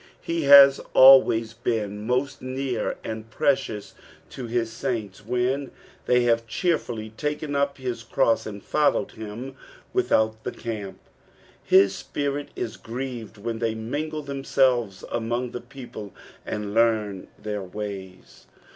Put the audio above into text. He has alwaja been most near and preuious to his saints when tliey have cheerfully taken up hia cross and followed him without the camp. His Spirit is gneved when they mingle themselves among the people and luam their ways.